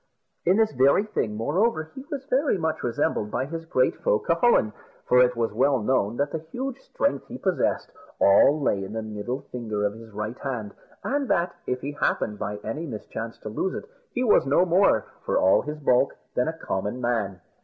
In this very thing, moreover, he was very much resembled by his great foe, Cucullin; for it was well known that the huge strength he possessed all lay in the middle finger of his right hand, and that, if he happened by any mischance to lose it, he was no more, for all his bulk, than a common man.